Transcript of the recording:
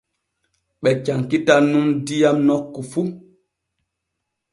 Ɓe cankitan nun diyam nokku fu.